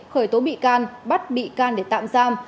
khởi tố bị can bắt bị can để tạm giam